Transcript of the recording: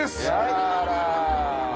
あら。